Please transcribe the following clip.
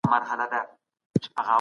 تحقيقي نظر تر پټو سترګو ښه دی.